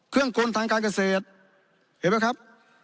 เครื่องกลทางการเกษตรเห็นไหมครับ